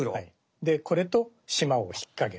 これと島を引っ掛けた。